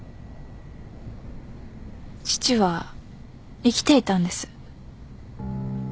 父は生きていたんです。